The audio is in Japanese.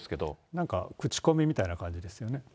なんか口コミみたいな感じですよね。